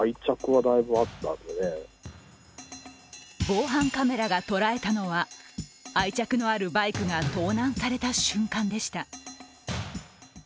防犯カメラが捉えたのは愛着のあるバイクが盗難された瞬間でした。